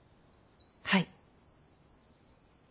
はい。